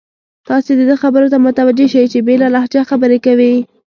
تاسې د ده خبرو ته متوجه شئ، په بېله لهجه خبرې کوي.